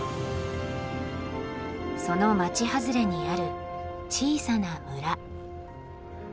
その町外れにある小さな村。